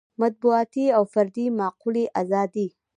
مطبوعاتي او فردي معقولې ازادۍ.